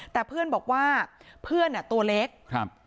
แต่เพื่อนบอกว่าเพื่อนอ่ะตัวเล็กครับ